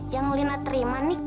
yang lina terima nih